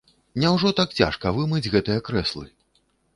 Няўжо так цяжка вымыць гэтыя крэслы?